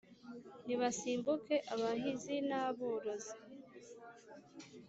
ntibasimbuke abahizi na borozi